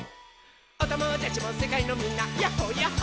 「おともだちもせかいのみんなやっほやっほ」